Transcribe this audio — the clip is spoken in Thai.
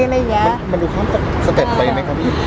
มันอยู่ข้ามสเต็ปไปไหมครับพี่